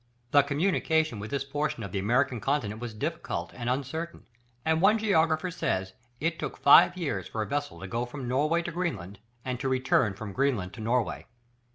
The communication with this portion of the American continent was difficult and uncertain, and one geographer says "it took five years for a vessel to go from Norway to Greenland, and to return from Greenland to Norway."